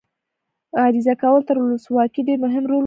عریضه کول تر ولسواکۍ ډېر مهم رول ولوباوه.